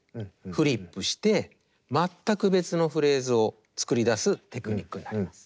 フリップして全く別のフレーズを作り出すテクニックになります。